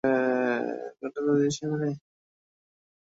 এরই অংশ হিসেবে বিপিএল নিয়ে নির্মিত একটি গানে কণ্ঠ দিয়েছেন তিনি।